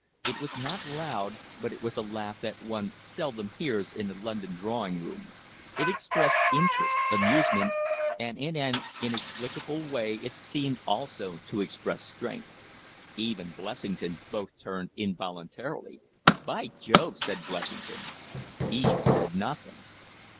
It was not loud, but it was a laugh that one seldom hears in a London drawing room it expressed interest, amusement, and in an inexplicable may it seemed also to express strength. Eve and Blessington both turned involuntarily. "By Jove!" said Blessington Eve said nothing.